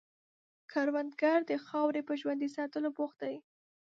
کروندګر د خاورې په ژوندي ساتلو بوخت دی